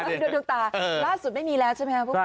ด้วยดวงตาล่าสุดไม่มีแล้วใช่ไหมครับพวกนี้